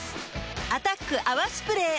「アタック泡スプレー」